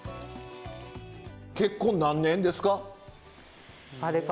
結婚何年ですか？